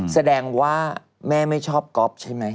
แสดงว่าแม่ไม่ชอบก๊อฟใช่ไหม